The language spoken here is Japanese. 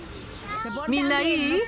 みんないい？